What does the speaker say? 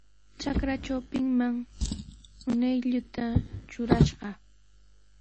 Trakra trawpinman nunaylluta trurashqa.